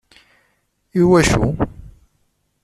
Iwacu?